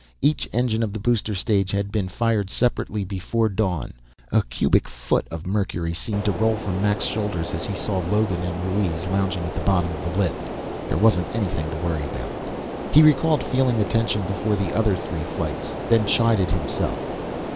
Each engine of the booster stage had been fired separately, before dawn. A cubic foot of mercury seemed to roll from Mac's shoulders as he saw Logan and Ruiz lounging at the bottom of the lift; there wasn't anything to worry about. He recalled feeling the tension before the other three flights, then chided himself.